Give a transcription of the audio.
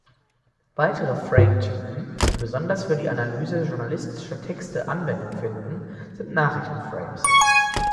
Weitere Frame-Typen, die besonders für die Analyse journalistischer Texte Anwendung finden, sind Nachrichten-Frames.